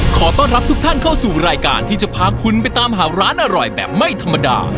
ขอต้อนรับทุกท่านเข้าสู่รายการที่จะพาคุณไปตามหาร้านอร่อยแบบไม่ธรรมดา